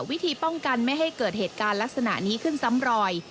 วิธีป้องกันไม่ให้เกิดเหตุการณ์ลักษณะนี้ขึ้นซ้ำรอย